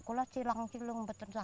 kalau kayak itu